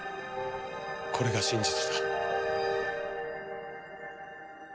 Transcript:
これが真実だ。